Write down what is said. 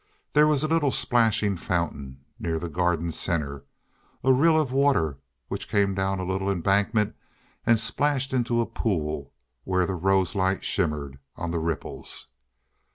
There was a little splashing fountain near the garden's center a rill of water which came down a little embankment and splashed into a pool where the rose light shimmered on the ripples.